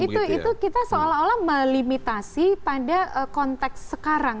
itu kita seolah olah melimitasi pada konteks sekarang